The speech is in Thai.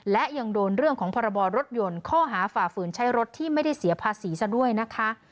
และยังโดนเรื่องของพรบรถยนต์ข้อหาฝ่าฝืนใช้รถที่ไม่ได้เสียภาษีซะด้วยนะคะ